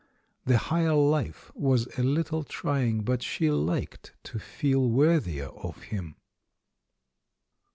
The higher life was a little trying, but she liked to feel worthier of him.